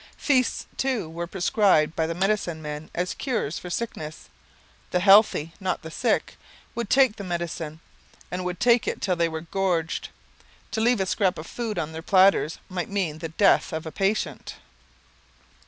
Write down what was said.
Feasts, too, were prescribed by the medicine men as cures for sickness; the healthy, not the sick, would take the medicine, and would take it till they were gorged. To leave a scrap of food on their platters might mean the death of the patient.